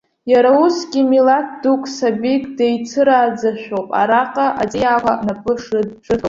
Иара усгьы, милаҭ дук сабик деицырааӡошәоуп араҟа аҵиаақәа напы шрыдкылоу.